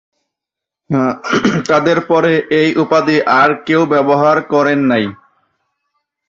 তাদের পরে এই উপাধি আর কেউ ব্যবহার করেন নাই।